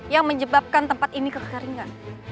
yang menyebabkan tempat ini kekeringan